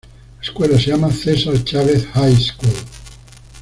La escuela se llama Cesar Chavez High School.